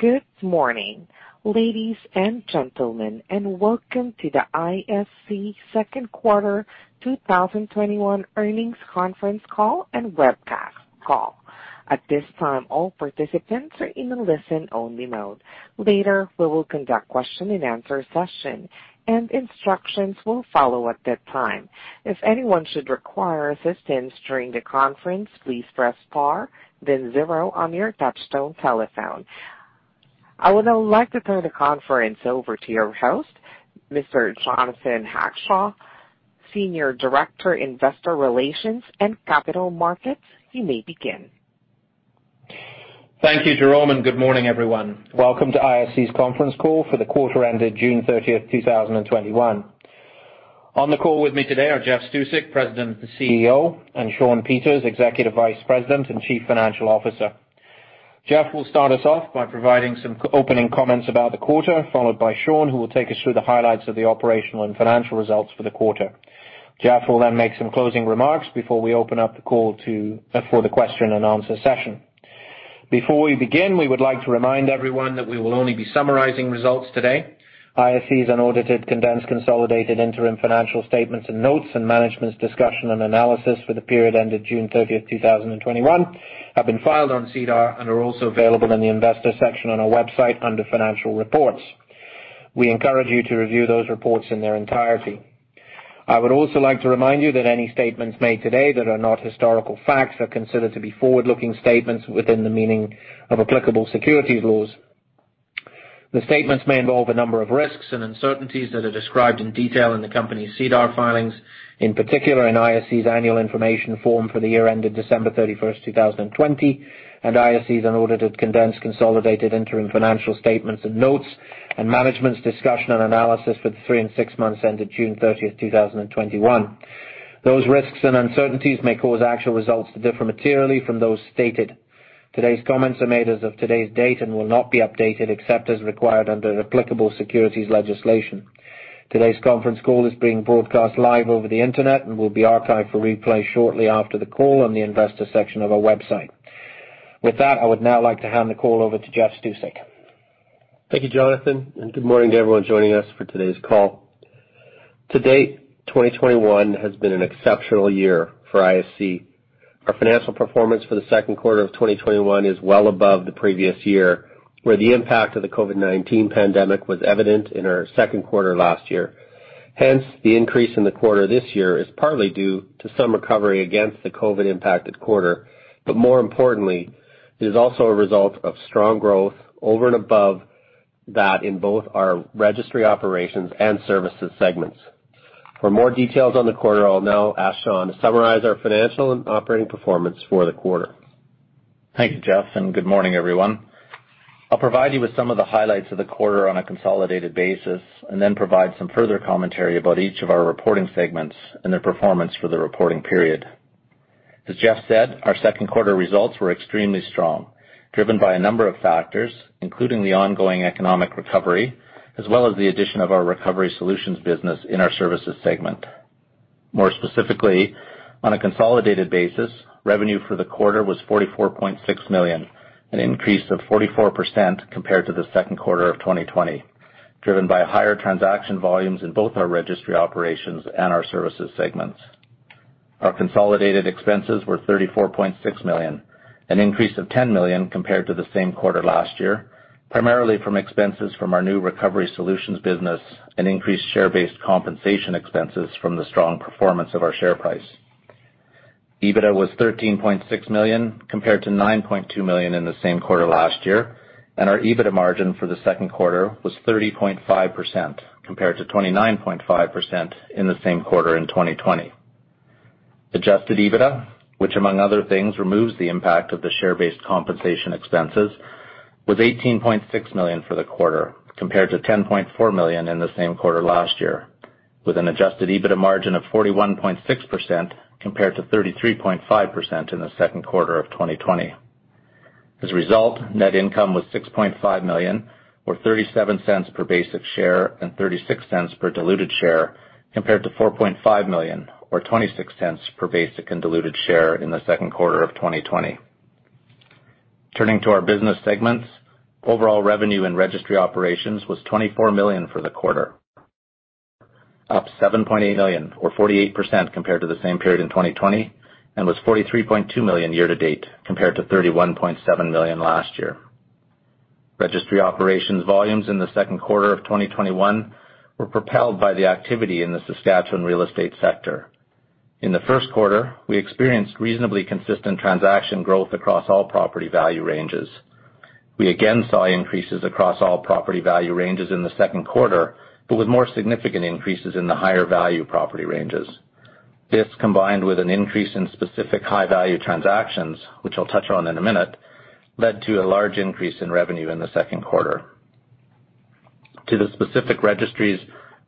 Good morning, ladies and gentlemen, and welcome to the ISC second quarter 2021 earnings conference call and webcast call. I would now like to turn the conference over to your host, Mr. Jonathan Hackshaw, Senior Director, Investor Relations and Capital Markets. You may begin. Thank you, Jerome. Good morning, everyone. Welcome to ISC's conference call for the quarter ended June 30th, 2021. On the call with me today are Jeff Stusek, President and CEO, and Shawn Peters, Executive Vice President and Chief Financial Officer. Jeff will start us off by providing some opening comments about the quarter, followed by Shawn, who will take us through the highlights of the operational and financial results for the quarter. Jeff will then make some closing remarks before we open up the call for the question-and-answer session. Before we begin, we would like to remind everyone that we will only be summarizing results today. ISC's unaudited, condensed, consolidated interim financial statements and notes and Management's Discussion and Analysis for the period ended June 30th, 2021, have been filed on SEDAR and are also available in the investor section on our website under financial reports. We encourage you to review those reports in their entirety. I would also like to remind you that any statements made today that are not historical facts are considered to be forward-looking statements within the meaning of applicable securities laws. The statements may involve a number of risks and uncertainties that are described in detail in the company's SEDAR filings, in particular in ISC's annual information form for the year ended December 31st, 2020, and ISC's unaudited, condensed, consolidated interim financial statements and notes and management's discussion and analysis for the three and six months ended June 30th, 2021. Those risks and uncertainties may cause actual results to differ materially from those stated. Today's comments are made as of today's date and will not be updated except as required under applicable securities legislation. Today's conference call is being broadcast live over the internet and will be archived for replay shortly after the call on the investor section of our website. With that, I would now like to hand the call over to Jeff Stusek. Thank you, Jonathan, and good morning to everyone joining us for today's call. To date, 2021 has been an exceptional year for ISC. Our financial performance for the second quarter of 2021 is well above the previous year, where the impact of the COVID-19 pandemic was evident in our second quarter last year. The increase in the quarter this year is partly due to some recovery against the COVID-impacted quarter. More importantly, it is also a result of strong growth over and above that in both our Registry Operations and Services segments. For more details on the quarter, I'll now ask Shawn to summarize our financial and operating performance for the quarter. Thank you, Jeff. Good morning, everyone. I'll provide you with some of the highlights of the quarter on a consolidated basis and then provide some further commentary about each of our reporting segments and their performance for the reporting period. As Jeff said, our second quarter results were extremely strong, driven by a number of factors, including the ongoing economic recovery, as well as the addition of our Recovery Solutions business in our Services segment. More specifically, on a consolidated basis, revenue for the quarter was 44.6 million, an increase of 44% compared to the second quarter of 2020, driven by higher transaction volumes in both our Registry Operations and our Services segments. Our consolidated expenses were 34.6 million, an increase of 10 million compared to the same quarter last year, primarily from expenses from our new Recovery Solutions business and increased share-based compensation expenses from the strong performance of our share price. EBITDA was CAD 13.6 million, compared to CAD 9.2 million in the same quarter last year, and our EBITDA margin for the second quarter was 30.5%, compared to 29.5% in the same quarter in 2020. Adjusted EBITDA, which, among other things, removes the impact of the share-based compensation expenses, was CAD 18.6 million for the quarter, compared to CAD 10.4 million in the same quarter last year, with an adjusted EBITDA margin of 41.6%, compared to 33.5% in the second quarter of 2020. As a result, net income was 6.5 million, or 0.37 per basic share and 0.36 per diluted share, compared to 4.5 million, or 0.26 per basic and diluted share in Q2 2020. Turning to our business segments, overall revenue in Registry Operations was 24 million for the quarter, up 7.8 million or 48% compared to the same period in 2020, and was 43.2 million year-to-date compared to 31.7 million last year. Registry Operations volumes in Q2 2021 were propelled by the activity in the Saskatchewan real estate sector. In the first quarter, we experienced reasonably consistent transaction growth across all property value ranges. We again saw increases across all property value ranges in the second quarter, with more significant increases in the higher value property ranges. This, combined with an increase in specific high-value transactions, which I'll touch on in a minute, led to a large increase in revenue in the second quarter. To the specific registries,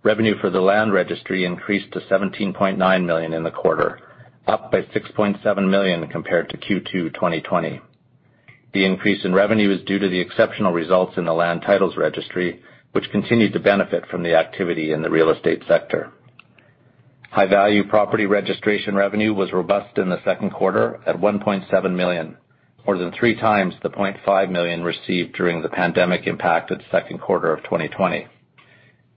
revenue for the Land Registry increased to CAD 17.9 million in the quarter, up by CAD 6.7 million compared to Q2 2020. The increase in revenue is due to the exceptional results in the Land Titles Registry, which continued to benefit from the activity in the real estate sector. High-value property registration revenue was robust in the second quarter at 1.7 million, more than 3x the 0.5 million received during the pandemic-impacted second quarter of 2020.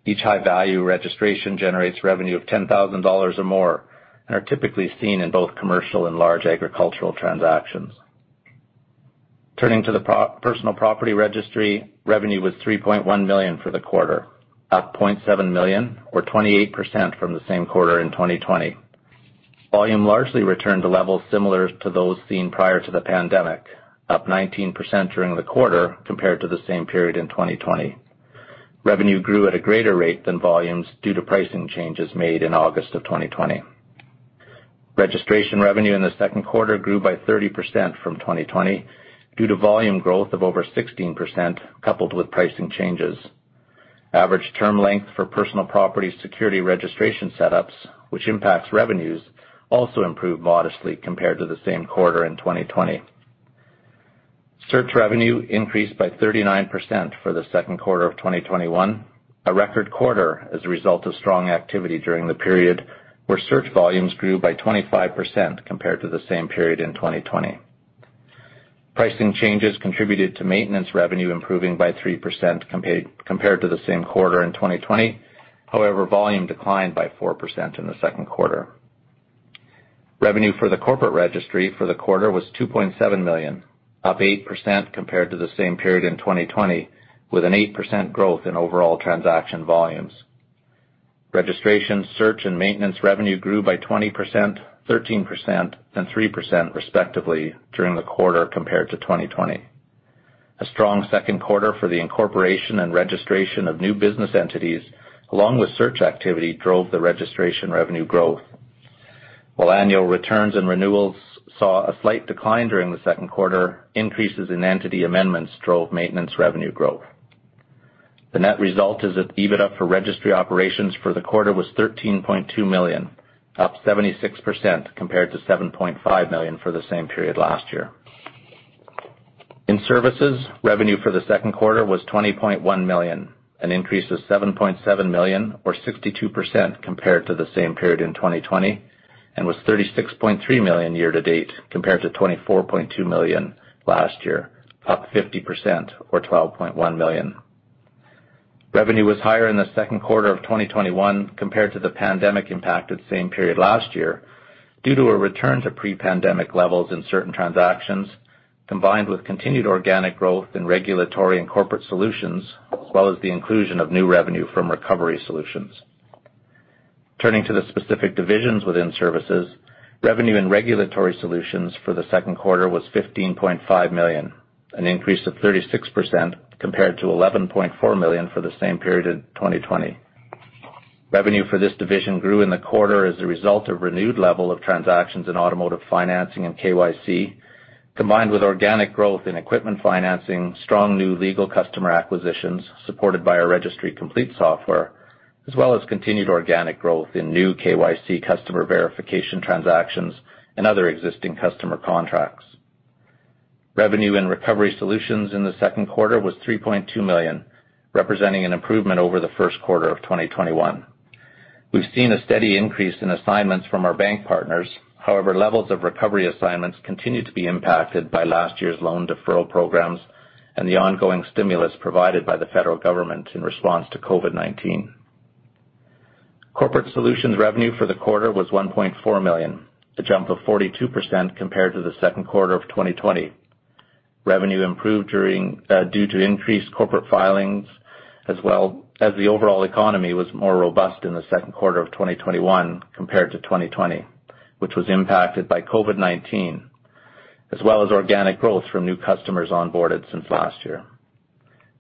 Each high-value registration generates revenue of 10,000 dollars or more, and are typically seen in both commercial and large agricultural transactions. Turning to the Personal Property Registry, revenue was 3.1 million for the quarter, up 0.7 million or 28% from the same quarter in 2020. Volume largely returned to levels similar to those seen prior to the pandemic, up 19% during the quarter compared to the same period in 2020. Revenue grew at a greater rate than volumes due to pricing changes made in August of 2020. Registration revenue in the second quarter grew by 30% from 2020 due to volume growth of over 16%, coupled with pricing changes. Average term length for personal property security registration setups, which impacts revenues, also improved modestly compared to the same quarter in 2020. Search revenue increased by 39% for the second quarter of 2021, a record quarter as a result of strong activity during the period, where search volumes grew by 25% compared to the same period in 2020. Pricing changes contributed to maintenance revenue improving by 3% compared to the same quarter in 2020. However, volume declined by 4% in the second quarter. Revenue for the Corporate Registry for the quarter was 2.7 million, up 8% compared to the same period in 2020, with an 8% growth in overall transaction volumes. Registration, search, and maintenance revenue grew by 20%, 13%, and 3%, respectively, during the quarter compared to 2020. A strong second quarter for the incorporation and registration of new business entities, along with search activity, drove the registration revenue growth. While annual returns and renewals saw a slight decline during the second quarter, increases in entity amendments drove maintenance revenue growth. The net result is that EBITDA for Registry Operations for the quarter was 13.2 million, up 76% compared to 7.5 million for the same period last year. In Services, revenue for the second quarter was CAD 20.1 million, an increase of CAD 7.7 million or 62% compared to the same period in 2020, and was CAD 36.3 million year-to-date compared to CAD 24.2 million last year, up 50% or CAD 12.1 million. Revenue was higher in the second quarter of 2021 compared to the pandemic-impacted same period last year due to a return to pre-pandemic levels in certain transactions, combined with continued organic growth in Regulatory Solutions and Corporate Solutions, as well as the inclusion of new revenue from Recovery Solutions. Turning to the specific divisions within Services, revenue in Regulatory Solutions for the second quarter was CAD 15.5 million, an increase of 36% compared to CAD 11.4 million for the same period in 2020. Revenue for this division grew in the quarter as a result of renewed levels of transactions in automotive financing and KYC, combined with organic growth in equipment financing, strong new legal customer acquisitions supported by our Registry Complete software, as well as continued organic growth in new KYC customer verification transactions and other existing customer contracts. Revenue in Recovery Solutions in the second quarter was 3.2 million, representing an improvement over the first quarter of 2021. We've seen a steady increase in assignments from our bank partners. Levels of recovery assignments continue to be impacted by last year's loan deferral programs and the ongoing stimulus provided by the federal government in response to COVID-19. Corporate Solutions revenue for the quarter was 1.4 million, a jump of 42% compared to the second quarter of 2020. Revenue improved due to increased corporate filings, as well as the overall economy was more robust in the second quarter of 2021 compared to 2020, which was impacted by COVID-19, as well as organic growth from new customers onboarded since last year.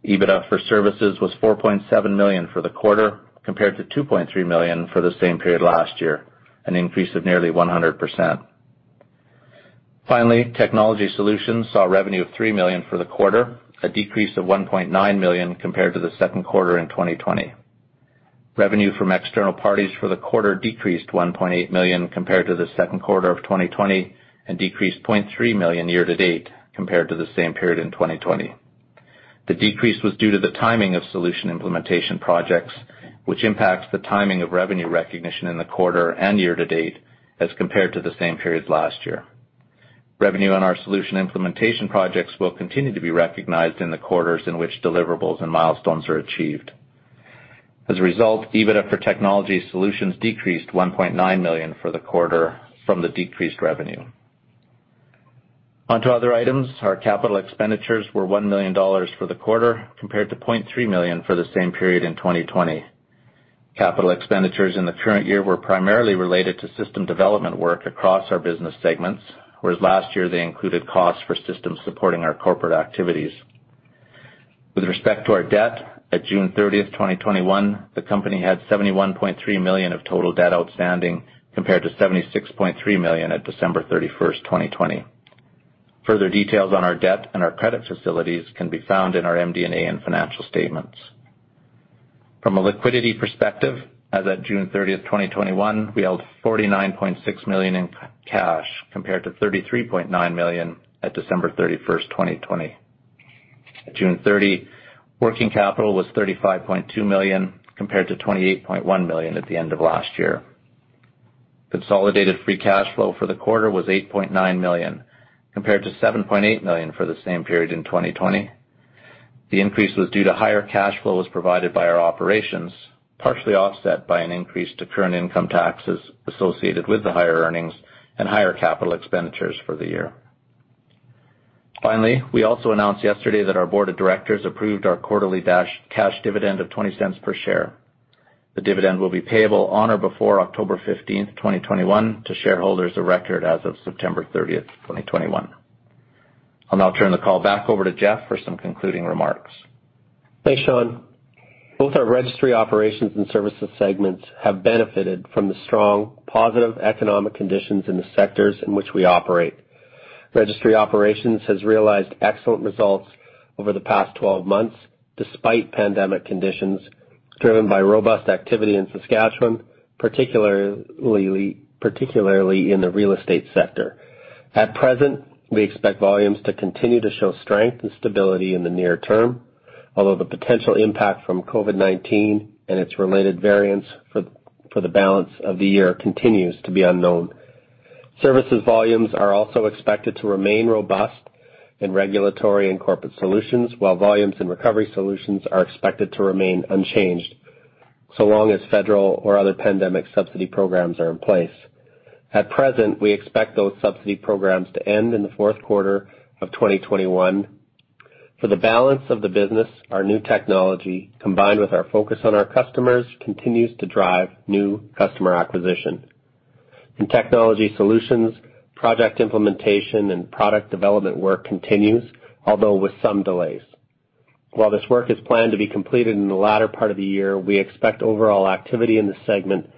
EBITDA for services was 4.7 million for the quarter, compared to 2.3 million for the same period last year, an increase of nearly 100%. Finally, Technology Solutions saw revenue of 3 million for the quarter, a decrease of 1.9 million compared to the second quarter in 2020. Revenue from external parties for the quarter decreased 1.8 million compared to the second quarter of 2020, and decreased 0.3 million year-to-date compared to the same period in 2020. The decrease was due to the timing of solution implementation projects, which impacts the timing of revenue recognition in the quarter and year-to-date as compared to the same period last year. Revenue on our solution implementation projects will continue to be recognized in the quarters in which deliverables and milestones are achieved. As a result, EBITDA for Technology Solutions decreased 1.9 million for the quarter from the decreased revenue. On to other items. Our capital expenditures were 1 million dollars for the quarter, compared to 0.3 million for the same period in 2020. Capital expenditures in the current year were primarily related to system development work across our business segments, whereas last year they included costs for systems supporting our corporate activities. With respect to our debt, at June 30th, 2021, the company had 71.3 million of total debt outstanding, compared to 76.3 million at December 31st, 2020. Further details on our debt and our credit facilities can be found in our MD&A and financial statements. From a liquidity perspective, as at June 30th, 2021, we held 49.6 million in cash compared to 33.9 million at December 31st, 2020. At June 30, working capital was 35.2 million, compared to 28.1 million at the end of last year. Consolidated free cash flow for the quarter was 8.9 million, compared to 7.8 million for the same period in 2020. The increase was due to higher cash flows provided by our operations, partially offset by an increase to current income taxes associated with the higher earnings and higher capital expenditures for the year. Finally, we also announced yesterday that our Board of Directors approved our quarterly cash dividend of 0.20 per share. The dividend will be payable on or before October 15th, 2021, to shareholders of record as of September 30th, 2021. I'll now turn the call back over to Jeff for some concluding remarks. Thanks, Shawn. Both our Registry Operations and Services segments have benefited from the strong, positive economic conditions in the sectors in which we operate. Registry Operations has realized excellent results over the past 12 months, despite pandemic conditions, driven by robust activity in Saskatchewan, particularly in the real estate sector. At present, we expect volumes to continue to show strength and stability in the near term, although the potential impact from COVID-19 and its related variants for the balance of the year continues to be unknown. Services volumes are also expected to remain robust in Regulatory Solutions and Corporate Solutions, while volumes in Recovery Solutions are expected to remain unchanged, so long as federal or other pandemic subsidy programs are in place. At present, we expect those subsidy programs to end in the fourth quarter of 2021. For the balance of the business, our new technology, combined with our focus on our customers, continues to drive new customer acquisition. In Technology Solutions, project implementation and product development work continue, although with some delays. While this work is planned to be completed in the latter part of the year, we expect overall activity in the segment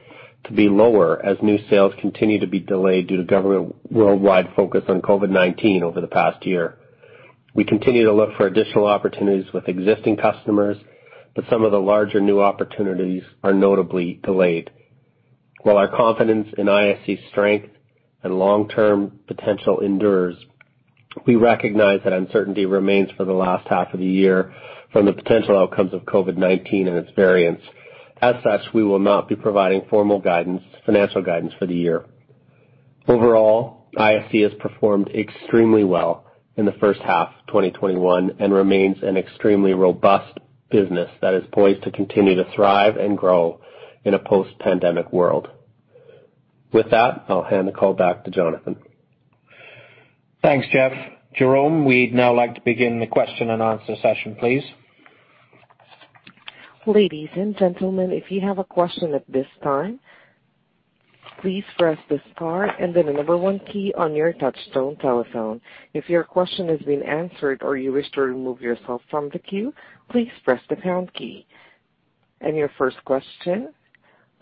to be lower, as new sales continue to be delayed due to government's worldwide focus on COVID-19 over the past year. We continue to look for additional opportunities with existing customers, but some of the larger new opportunities are notably delayed. While our confidence in ISC's strength and long-term potential endures, we recognize that uncertainty remains for the last half of the year from the potential outcomes of COVID-19 and its variants. As such, we will not be providing formal financial guidance for the year. Overall, ISC has performed extremely well in the first half of 2021 and remains an extremely robust business that is poised to continue to thrive and grow in a post-pandemic world. With that, I'll hand the call back to Jonathan. Thanks, Jeff. Jerome, we'd now like to begin the question-and-answer session, please. Ladies and gentlemen, your first question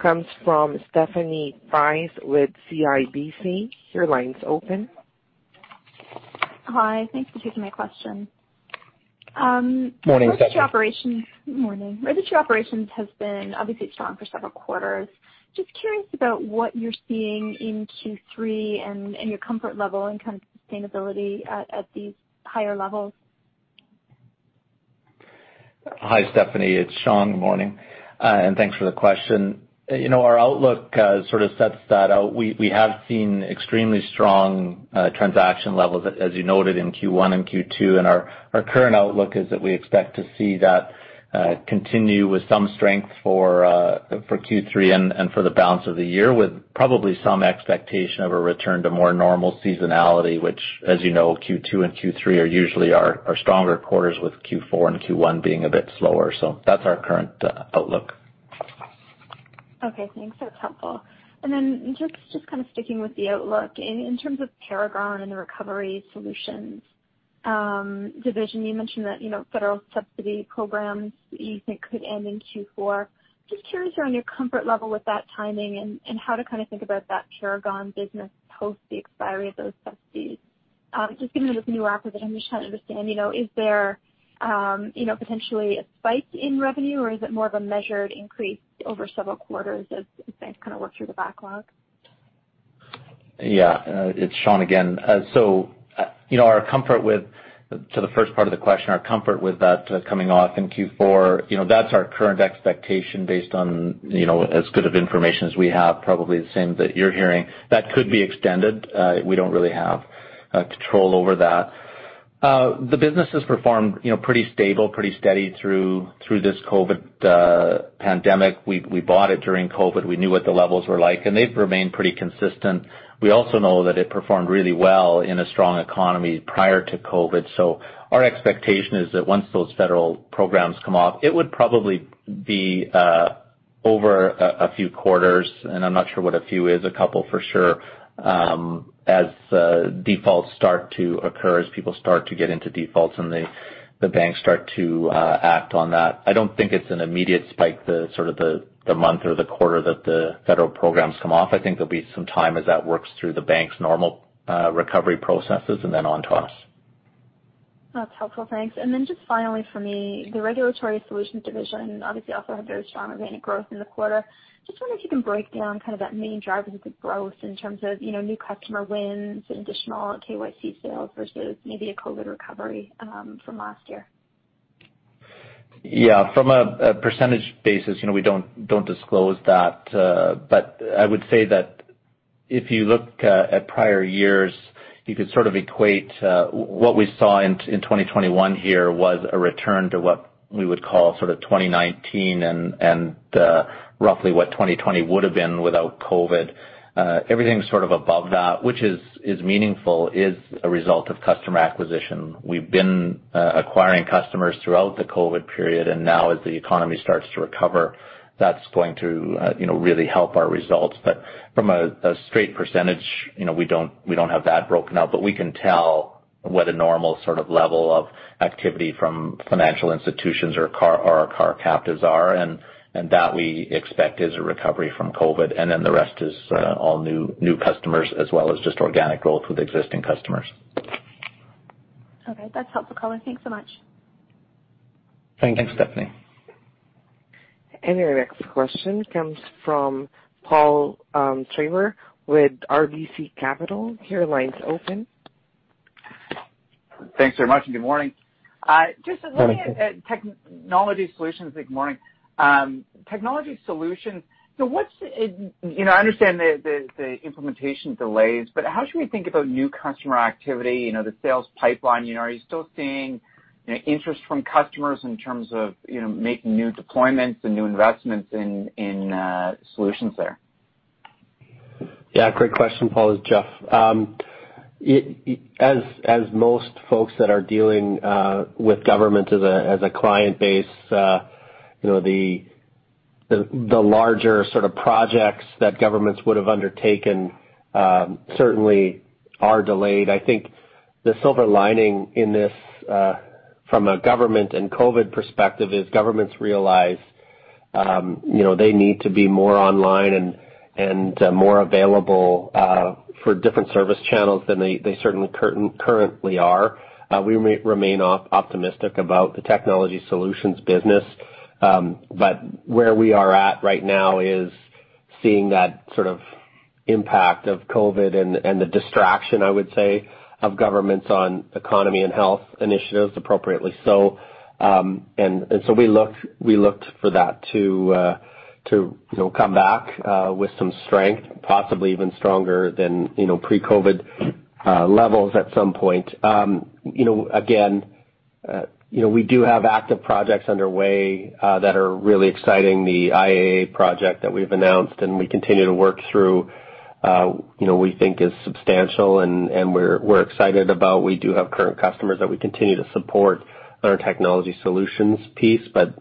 comes from Stephanie Price with CIBC. Your line's open. Hi. Thanks for taking my question. Morning, Stephanie. Good morning. Registry Operations has been obviously strong for several quarters. Just curious about what you're seeing in Q3 and your comfort level and kind of sustainability at these higher levels. Hi, Stephanie. It's Shawn. Good morning. Thanks for the question. Our outlook sort of sets that out. We have seen extremely strong transaction levels, as you noted in Q1 and Q2. Our current outlook is that we expect to see that continue with some strength for Q3 and for the balance of the year, with probably some expectation of a return to more normal seasonality, which, as you know, Q2 and Q3 are usually our stronger quarters, with Q4 and Q1 being a bit slower. That's our current outlook. Okay, thanks. That's helpful. Then, just kind of sticking with the outlook, in terms of Paragon and the Recovery Solutions division, you mentioned that federal subsidy programs you think could end in Q4. Just curious around your comfort level with that timing and how to kind of think about that Paragon business post the expiry of those subsidies. Just given this new acquisition, I'm just trying to understand, is there potentially a spike in revenue, or is it more of a measured increase over several quarters as banks kind of work through the backlog? Yeah. It's Shawn again. To the first part of the question, our comfort with that coming off in Q4, that's our current expectation based on as good of information as we have, probably the same that you're hearing. That could be extended. We don't really have control over that. The business has performed pretty stable, pretty steady through this COVID pandemic. We bought it during COVID. We knew what the levels were like, and they've remained pretty consistent. We also know that it performed really well in a strong economy prior to COVID. Our expectation is that once those federal programs come off, it would probably be over a few quarters, and I'm not sure what a few is. A couple, for sure. As defaults start to occur, as people start to get into defaults and the banks start to act on that, I don't think it's an immediate spike, the sort of month or the quarter that the federal programs come off. I think there'll be some time as that works through the bank's normal recovery processes and then on to us. That's helpful. Thanks. Then, just finally for me, the Regulatory Solutions division obviously also had very strong organic growth in the quarter. Just wondering if you can break down kind of that main driver of the growth in terms of new customer wins and additional KYC sales versus maybe a COVID recovery from last year? Yeah. From a percentage basis, we don't disclose that. I would say that if you look at prior years, you could sort of equate what we saw in 2021 here was a return to what we would call sort of 2019 and roughly what 2020 would've been without COVID. Everything sort of above that, which is meaningful, is a result of customer acquisition. We've been acquiring customers throughout the COVID period, and now, as the economy starts to recover, that's going to really help our results. From a straight percentage, we don't have that broken out, but we can tell what a normal sort of level of activity from financial institutions or our car captives are, and that we expect is a recovery from COVID. The rest is all new customers, as well as just organic growth with existing customers. Okay. That's helpful, Shawn. Thanks so much. Thank you, Stephanie. Your next question comes from Paul Treiber with RBC Capital. Your line's open. Thanks very much, and good morning. Morning. Just looking at Technology Solutions. Good morning. Technology Solutions, I understand the implementation delays, but how should we think about new customer activity, the sales pipeline? Are you still seeing interest from customers in terms of making new deployments and new investments in solutions there? Yeah. Great question, Paul. It's Jeff. As most folks that are dealing with government as a client base, the larger sort of projects that governments would've undertaken certainly are delayed. I think the silver lining in this, from a government and COVID perspective, is governments realize they need to be more online and more available for different service channels than they certainly currently are. We remain optimistic about the Technology Solutions business. Where we are at right now is seeing that sort of impact of COVID and the distraction, I would say, of governments on the economy and health initiatives appropriately so. We looked for that to come back with some strength, possibly even stronger than pre-COVID levels, at some point. Again, we do have active projects underway that are really exciting. The IAA project that we've announced and we continue to work through, we think is substantial, and we're excited about. We do have current customers that we continue to support on our Technology Solutions piece, but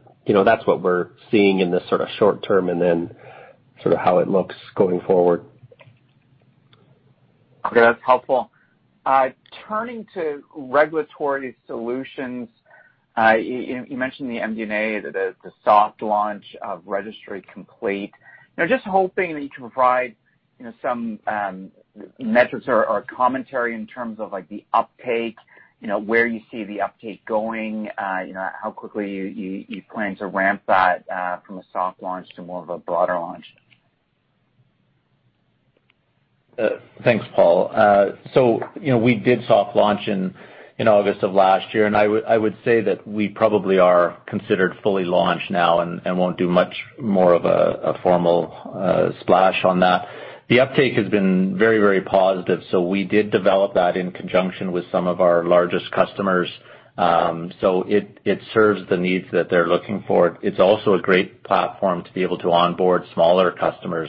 that's what we're seeing in the sort of short term and then sort of how it looks going forward. Okay. That's helpful. Turning to Regulatory Solutions, you mentioned the MD&A, the soft launch of Registry Complete. Just hoping that you can provide some metrics or commentary in terms of the uptake, where you see the uptake going, how quickly you plan to ramp that from a soft launch to more of a broader launch? Thanks, Paul. We did a soft launch in August of last year, and I would say that we are probably considered fully launched now and won't do much more of a formal splash on that. The uptake has been very, very positive. We did develop that in conjunction with some of our largest customers. It serves the needs that they're looking for. It's also a great platform to be able to onboard smaller customers.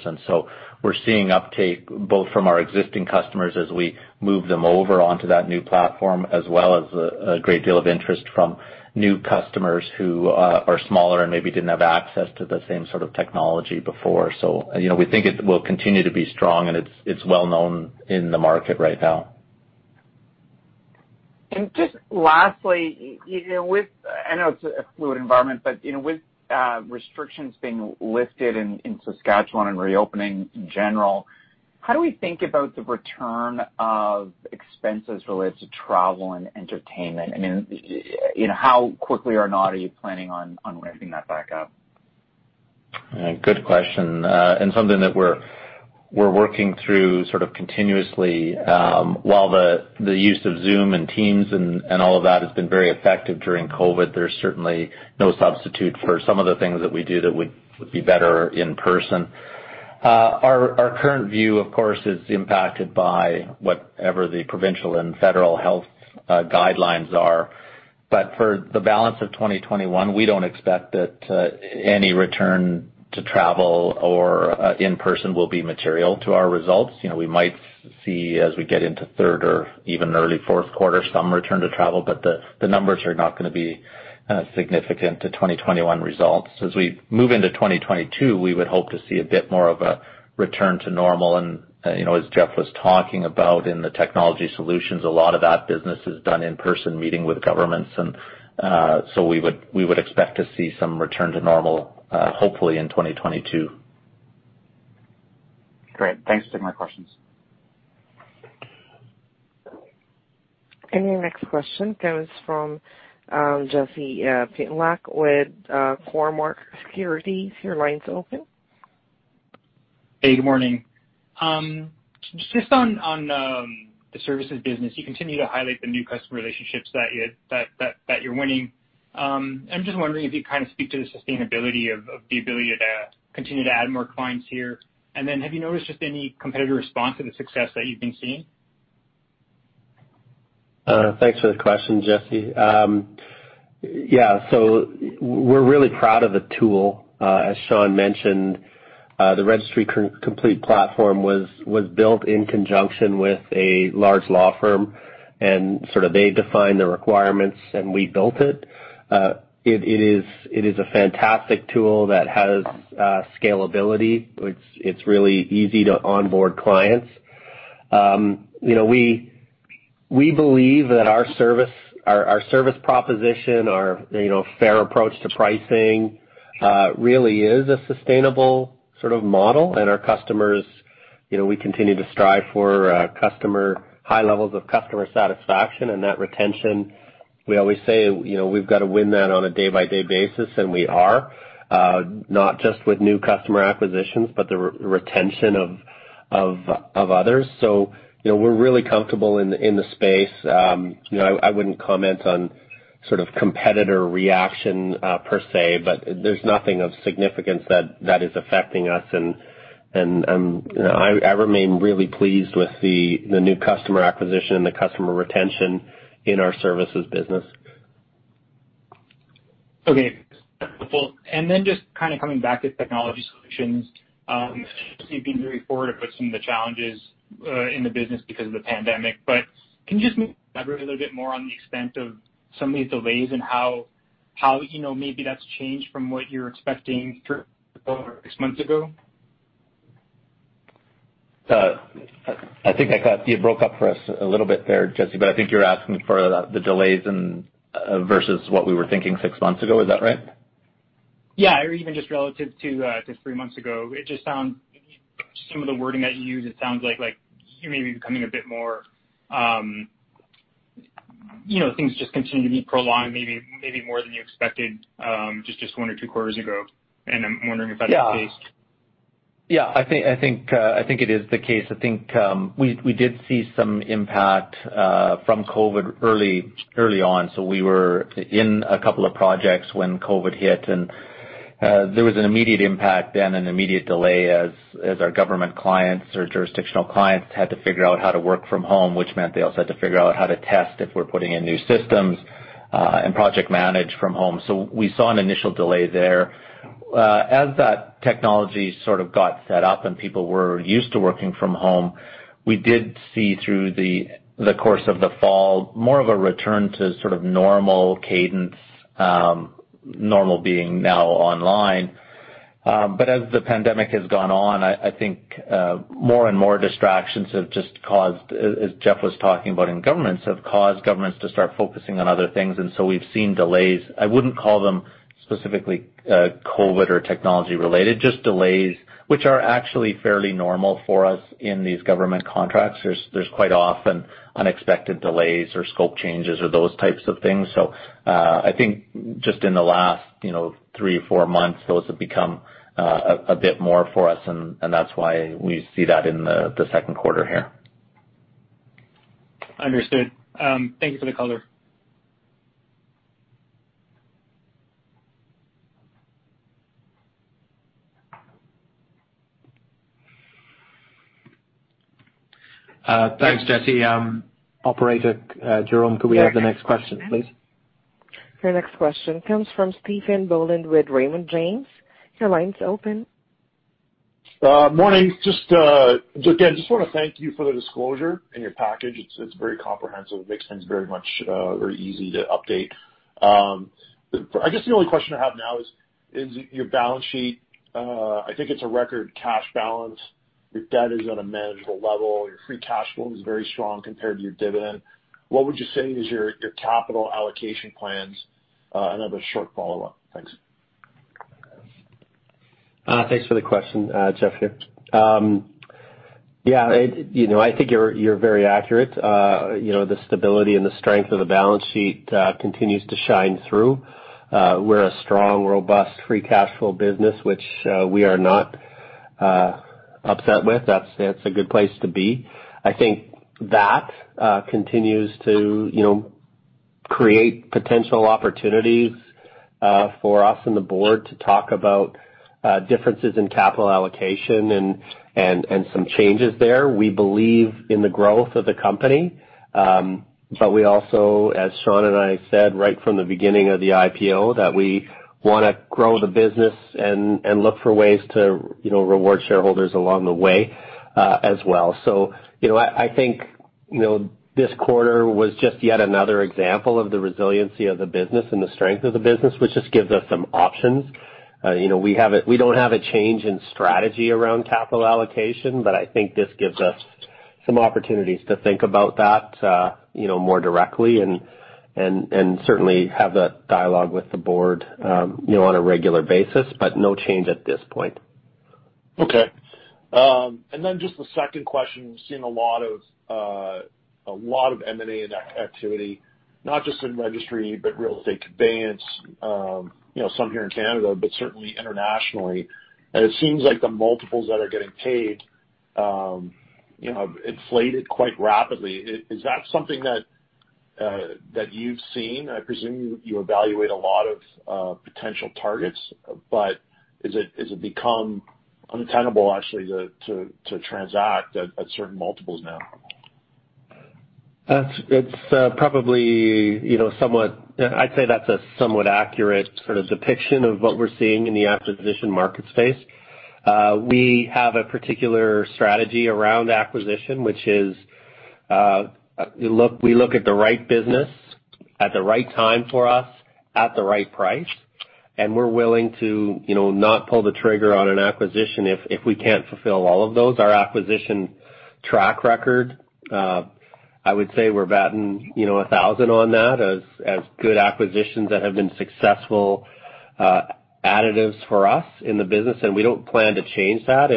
We're seeing uptake both from our existing customers as we move them over onto that new platform, as well as a great deal of interest from new customers who are smaller and maybe didn't have access to the same sort of technology before. We think it will continue to be strong, and it's well-known in the market right now. Just lastly, I know it's a fluid environment, but with restrictions being lifted in Saskatchewan and reopening in general, how do we think about the return of expenses related to travel and entertainment? How quickly or not are you planning on ramping that back up? Good question, and something that we're working through sort of continuously. While the use of Zoom and Teams and all of that has been very effective during COVID-19, there's certainly no substitute for some of the things that we do that would be better in person. Our current view, of course, is impacted by whatever the provincial and federal health guidelines are. For the balance of 2021, we don't expect that any return to travel or in-person will be material to our results. We might see, as we get into the third or even early fourth quarter, some return to travel, but the numbers are not going to be significant to 2021 results. As we move into 2022, we would hope to see a bit more of a return to normal. As Jeff was talking about in the Technology Solutions, a lot of that business is done in person, meeting with governments. We would expect to see some return to normal, hopefully in 2022. Great. Thanks. Those are my questions. Your next question comes from Jesse Pytlak with Cormark Securities. Your line's open. Hey, good morning. Just on the services business, you continue to highlight the new customer relationships that you're winning. I'm just wondering if you'd kind of speak to the sustainability of the ability to continue to add more clients here. Have you noticed just any competitive response to the success that you've been seeing? Thanks for the question, Jesse. Yeah. We're really proud of the tool. As Shawn mentioned, the Registry Complete platform was built in conjunction with a large law firm, and sort of they defined the requirements, and we built it. It is a fantastic tool that has scalability, which it's really easy to onboard clients. We believe that our service proposition, our fair approach to pricing, really is a sustainable sort of model. Our customers, we continue to strive for high levels of customer satisfaction and that retention. We always say we've got to win that on a day-by-day basis, and we are. Not just with new customer acquisitions, but the retention of others. We're really comfortable in the space. I wouldn't comment on sort of competitor reaction per se, but there's nothing of significance that is affecting us. I remain really pleased with the new customer acquisition and the customer retention in our services business. Okay. Just kind of coming back to Technology Solutions, you've been very forward with some of the challenges in the business because of the pandemic. Can you just elaborate a little bit more on the extent of some of these delays and how maybe that's changed from what you were expecting three or six months ago? I think you broke up for us a little bit there, Jesse, but I think you were asking for the delays versus what we were thinking six months ago. Is that right? Yeah. Even just relative to three months ago. Some of the wording that you used, it sounds like things just continue to be prolonged, maybe more than you expected just one or two quarters ago. I'm wondering if that is the case. Yeah. I think it is the case. I think we did see some impact from COVID early on. We were in a couple of projects when COVID hit, and there was an immediate impact then, an immediate delay as our government clients, our jurisdictional clients had to figure out how to work from home, which meant they also had to figure out how to test if we're putting in new systems, and project manage from home. We saw an initial delay there. As that technology sort of got set up and people were used to working from home, we did see, through the course of the fall, more of a return to sort of normal cadence, normal being now online. As the pandemic has gone on, I think more and more distractions have just caused, as Jeff was talking about in governments, have caused governments to start focusing on other things. We've seen delays. I wouldn't call them specifically COVID or technology-related, just delays, which are actually fairly normal for us in these government contracts. There's quite often unexpected delays or scope changes or those types of things. I think just in the last three or four months, those have become a bit more for us, and that's why we see that in the second quarter here. Understood. Thank you for the color. Thanks, Jesse. Operator, Jerome, could we have the next question, please? Your next question comes from Stephen Boland with Raymond James. Your line's open. Morning. Again, just want to thank you for the disclosure in your package. It's very comprehensive. It makes things very easy to update. I guess the only question I have now is your balance sheet. I think it's a record cash balance. Your debt is at a manageable level. Your free cash flow is very strong compared to your dividend. What would you say is your capital allocation plans? I have a short follow-up. Thanks. Thanks for the question, Stephen. Yeah, I think you're very accurate. The stability and the strength of the balance sheet continue to shine through. We're a strong, robust, free cash flow business, which we are not upset with. That's a good place to be. I think that continues to create potential opportunities for us and the board to talk about differences in capital allocation and some changes there. We believe in the growth of the company. We also, as Shawn and I said right from the beginning of the IPO, that we want to grow the business and look for ways to reward shareholders along the way as well. I think this quarter was just yet another example of the resiliency of the business and the strength of the business, which just gives us some options. We don't have a change in strategy around capital allocation, but I think this gives us some opportunities to think about that more directly and certainly have that dialogue with the board on a regular basis, but no change at this point. Okay. Then just the second question, we've seen a lot of M&A activity, not just in registry, but real estate conveyance, some here in Canada, but certainly internationally. It seems like the multiples that are getting paid have inflated quite rapidly. Is that something that you've seen? I presume you evaluate a lot of potential targets, but has it become untenable actually, to transact at certain multiples now? I'd say that's a somewhat accurate sort of depiction of what we're seeing in the acquisition market space. We have a particular strategy around acquisition, which is we look at the right business at the right time for us at the right price, and we're willing to not pull the trigger on an acquisition if we can't fulfill all of those. Our acquisition track record, I would say, we're batting 1,000 on that as good acquisitions that have been successful additives for us in the business, and we don't plan to change that.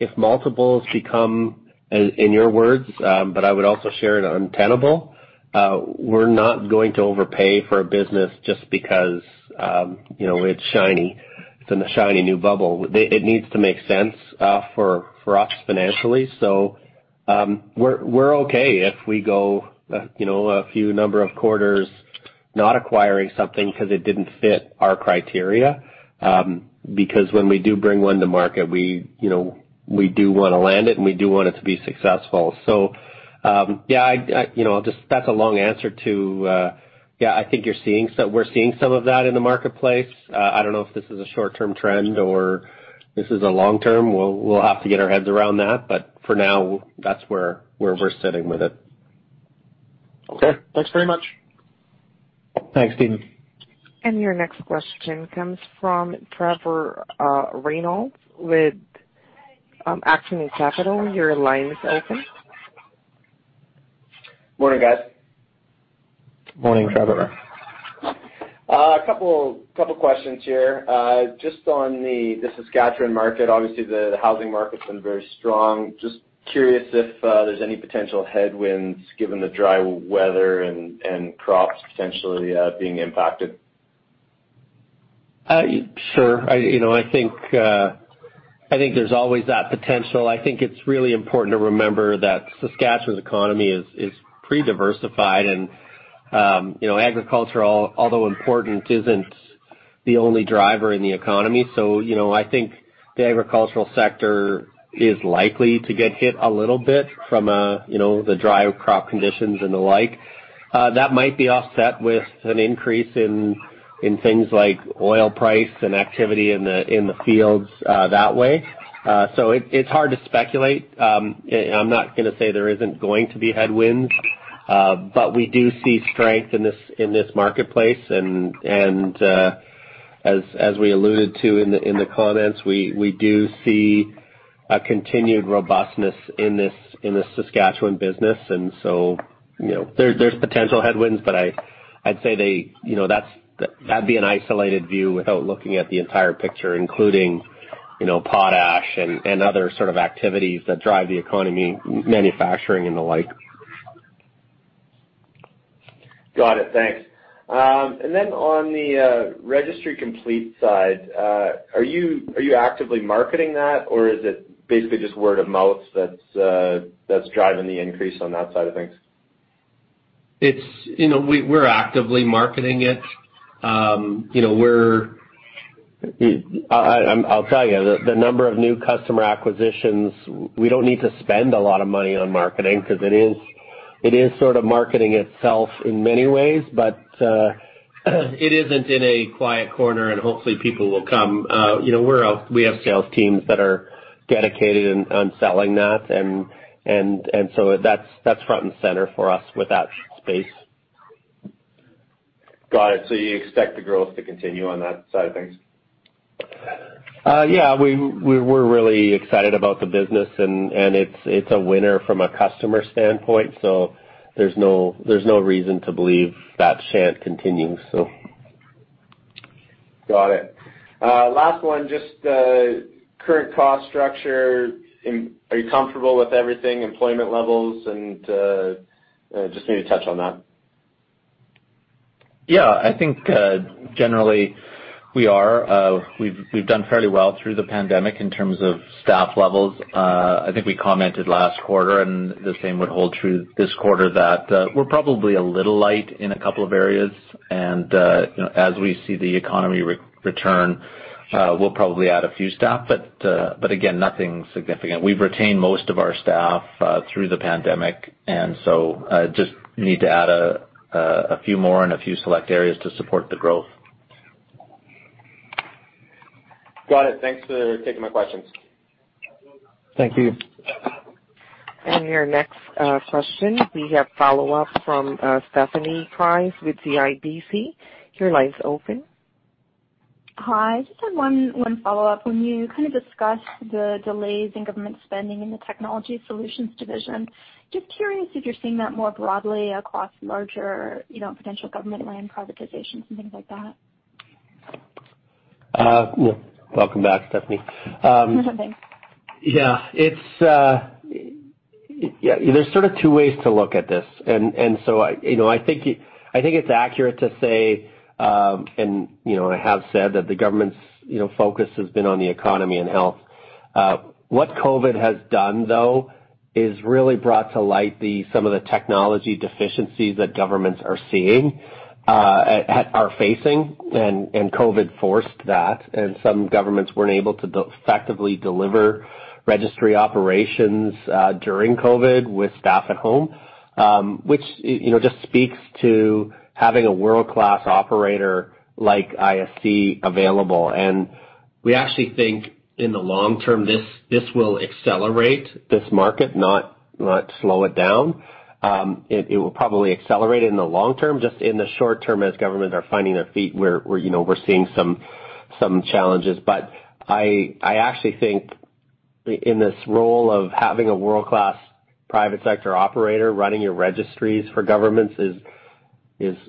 If multiples become, in your words, but I would also share it, untenable, we're not going to overpay for a business just because it's in a shiny new bubble. It needs to make sense for us financially. We're okay if we go a few number of quarters not acquiring something because it didn't fit our criteria. When we do bring one to market, we do want to land it, and we do want it to be successful. That's a long answer. I think we're seeing some of that in the marketplace. I don't know if this is a short-term trend or this is a long-term. We'll have to get our heads around that, but for now, that's where we're sitting with it. Okay. Thanks very much. Thanks, Stephen. Your next question comes from Trevor Reynolds with Acumen Capital. Your line is open. Morning, guys. Morning, Trevor. A couple of questions here. Just on the Saskatchewan market, obviously, the housing market's been very strong. Just curious if there's any potential headwinds given the dry weather and crops potentially being impacted. Sure. I think there's always that potential. I think it's really important to remember that Saskatchewan's economy is pretty diversified and agricultural, although important, isn't the only driver in the economy. I think the agricultural sector is likely to get hit a little bit from the dry crop conditions and the like. That might be offset with an increase in things like oil prices and activity in the fields that way. It's hard to speculate. I'm not going to say there isn't going to be headwinds, but we do see strength in this marketplace, and as we alluded to in the comments, we do see a continued robustness in the Saskatchewan business. There's potential headwinds, but I'd say that'd be an isolated view without looking at the entire picture, including potash and other sorts of activities that drive the economy, manufacturing, and the like. Got it. Thanks. Then on the Registry Complete side, are you actively marketing that, or is it basically just word of mouth that's driving the increase on that side of things? We're actively marketing it. I'll tell you, the number of new customer acquisitions, we don't need to spend a lot of money on marketing because it is sort of marketing itself in many ways, but it isn't in a quiet corner, and hopefully, people will come. We have sales teams that are dedicated on selling that. That's front and center for us with that space. Got it. You expect the growth to continue on that side of things? Yeah, we're really excited about the business, and it's a winner from a customer standpoint, so there's no reason to believe that shan't continue. Got it. Last one, just the current cost structure. Are you comfortable with everything, employment levels, and just maybe touch on that? Yeah, I think, generally, we are. We've done fairly well through the pandemic in terms of staff levels. I think we commented last quarter, and the same would hold true this quarter, that we're probably a little light in a couple of areas. As we see the economy return, we'll probably add a few staff, but again, nothing significant. We've retained most of our staff through the pandemic, and so we just need to add a few more in a few select areas to support the growth. Got it. Thanks for taking my questions. Thank you. Your next question, we have a follow-up from Stephanie Price with CIBC. Your line's open. Hi. Just had one follow-up. When you kind of discussed the delays in government spending in the Technology Solutions division, just curious if you're seeing that more broadly across larger potential government land privatizations and things like that? Welcome back, Stephanie. Thanks. Yeah. There's sort of two ways to look at this. I think it's accurate to say, and I have said that, the government's focus has been on the economy and health. What COVID has done, though, is really brought to light some of the technology deficiencies that governments are seeing, are facing, and COVID forced that, and some governments weren't able to effectively deliver Registry Operations during COVID with staff at home. Which just speaks to having a world-class operator like ISC available. We actually think in the long term, this will accelerate this market, not slow it down. It will probably accelerate it in the long term, just in the short term, as governments are finding their feet, we're seeing some challenges. I actually think in this role of having a world-class private sector operator running your registries for governments is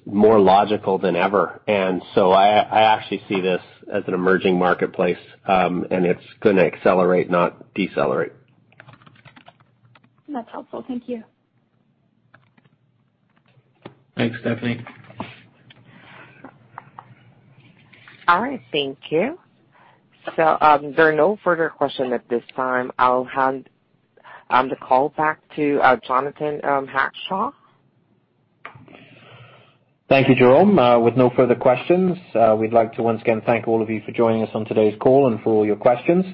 more logical than ever. I actually see this as an emerging marketplace, and it's going to accelerate, not decelerate. That's helpful. Thank you. Thanks, Stephanie. All right. Thank you. There are no further questions at this time. I'll hand the call back to Jonathan Hackshaw. Thank you, Jerome. With no further questions, we'd like to once again thank all of you for joining us on today's call and for all your questions.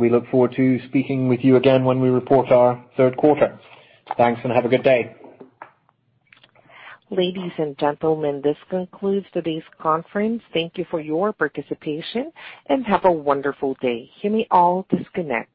We look forward to speaking with you again when we report our third quarter. Thanks. Have a good day. Ladies and gentlemen, this concludes today's conference. Thank you for your participation, and have a wonderful day. You may all disconnect.